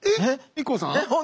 ＩＫＫＯさん？